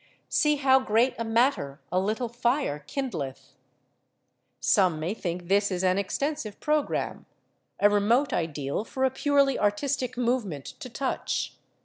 "See how great a matter a little fire kindleth." Some may think this is an extensive programme a remote ideal for a purely artistic movement to touch.